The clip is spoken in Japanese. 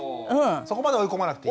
そこまで追い込まなくていい？